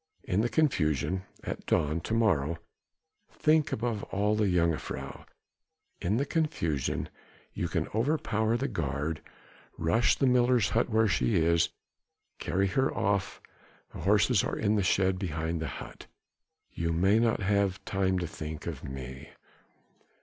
In the confusion at dawn to morrow think above all of the jongejuffrouw.... In the confusion you can overpower the guard rush the miller's hut where she is ... carry her off ... the horses are in the shed behind the hut ... you may not have time to think of me."